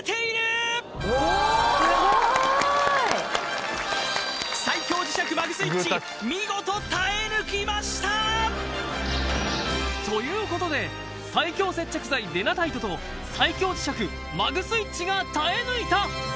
すごーい最強磁石マグスイッチ見事耐え抜きました！ということで最強接着剤デナタイトと最強磁石マグスイッチが耐え抜いた！